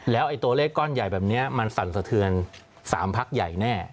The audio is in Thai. แล้วตัวเลขก้อนใหญ่แบบนี้มันสั่นสะเทือน๓พักใหญ่แน่